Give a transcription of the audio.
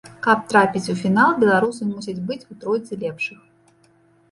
Каб трапіць у фінал, беларусы мусяць быць у тройцы лепшых.